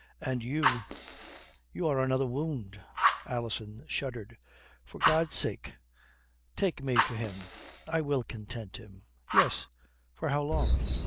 And you you are another wound." Alison shuddered. "For God's sake take me to him. I will content him." "Yes. For how long?"